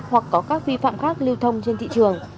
hoặc có các vi phạm khác lưu thông trên thị trường